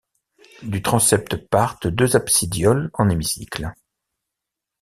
Du transept partent deux absidioles en hémicycle.